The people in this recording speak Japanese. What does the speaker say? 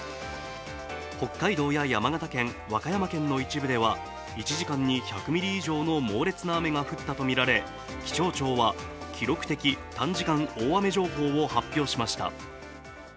北海道や山形県、和歌山県の一部では１時間に１００ミリ以上の猛烈な雨が降ったとみられ、気象庁は記録的短時間大雨情報を発表しました。